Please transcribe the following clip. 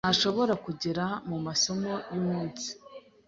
ntashobora kugera mumasomo uyumunsi.